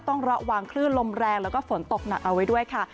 ต้องระวังคลื่นลมแรงแล้วก็ฝนตกหนักเอาไว้ด้วยค่ะ